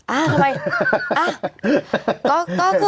อ้าวทำไม